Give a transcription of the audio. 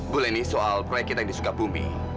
bu lenny soal proyek kita yang disugabumi